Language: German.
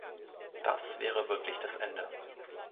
Das wäre wirklich das Ende.